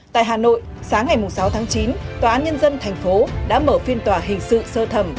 tại hà nội sáng ngày sáu tháng chín tòa án nhân dân thành phố đã mở phiên tòa hình sự sơ thẩm